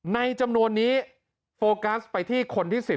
จำนวนนี้โฟกัสไปที่คนที่๑๐